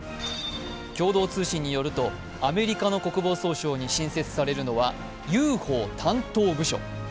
共同通信によるとアメリカの国防総省に新設されるのはＵＦＯ担当部署。